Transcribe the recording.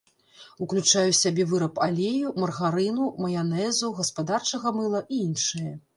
Уключае ў сябе выраб алею, маргарыну, маянэзу, гаспадарчага мыла і іншае.